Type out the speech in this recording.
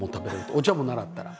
お茶も習ったら。